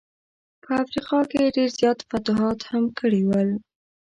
په افریقا کي یې ډېر زیات فتوحات هم کړي ول.